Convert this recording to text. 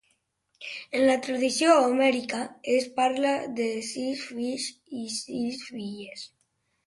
En la tradició homèrica es parla de sis fills i sis filles.